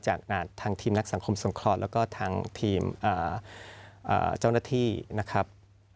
ทางทีมนักสังคมสงเคราะห์แล้วก็ทางทีมเจ้าหน้าที่นะครับ